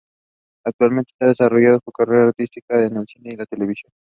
Actualmente está desarrollando su carrera artística en el cine y la televisión.